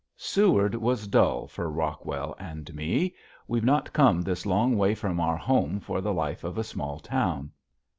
Seward was dull for Rockwell and me. We've not come this long way from our home for the life of a small town.